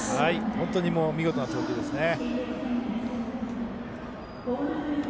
本当に見事な投球ですね。